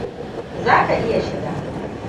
Za ka iya shiga.